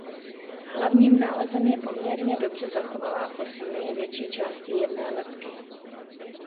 Hlavním nálezem je poměrně dobře zachovalá fosílie větší části jedné lebky.